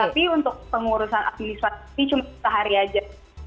tapi untuk pengurusan administrasi cuma satu hari aja